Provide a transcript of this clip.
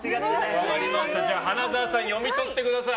花澤さん読み取ってください。